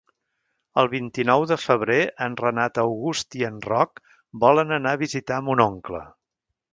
El vint-i-nou de febrer en Renat August i en Roc volen anar a visitar mon oncle.